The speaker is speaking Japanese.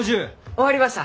終わりました。